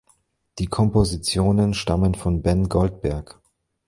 Die Kompositionen stammen von Ben Goldberg.